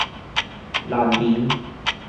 難民